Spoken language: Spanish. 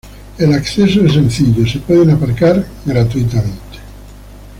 El acceso es sencillo, se puede aparcar gratuitamente.